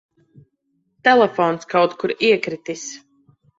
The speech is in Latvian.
Telefons kaut kur iekritis.